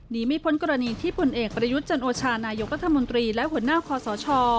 ไม่พ้นกรณีที่ผลเอกประยุทธ์จันโอชานายกรัฐมนตรีและหัวหน้าคอสช